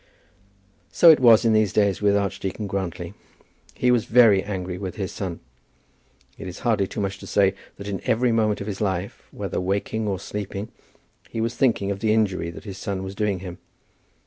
So it was in these days with Archdeacon Grantly. He was very angry with his son. It is hardly too much to say that in every moment of his life, whether waking or sleeping, he was thinking of the injury that his son was doing him.